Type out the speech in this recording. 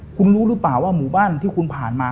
คุณรู้หรือเปล่าว่าหมู่บ้านที่คุณผ่านมา